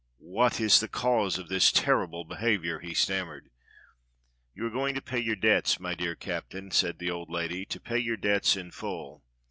"What is the cause of this terrible behaviour?" he stammered. "You are going to pay your debts, my dear Captain," said the old lady. "To pay your debts in full.